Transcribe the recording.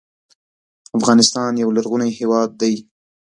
افغانستان یو لرغونی هېواد دی.